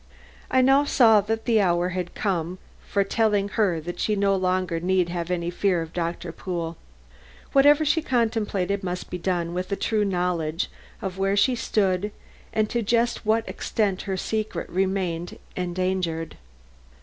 I now saw that the hour had come for telling her that she no longer need have any fear of Doctor Pool. Whatever she contemplated must be done with a true knowledge of where she stood and to just what extent her secret remained endangered.